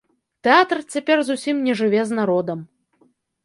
Тэатр цяпер зусім не жыве з народам.